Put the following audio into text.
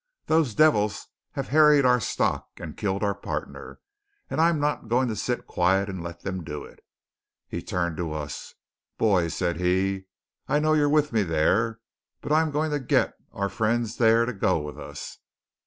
"Those devils have harried our stock and killed our pardner; and I'm not going to set quiet and let them do it." He turned to us: "Boys," said he, "I know you're with me thar. But I'm going to git our friends yere to go with us.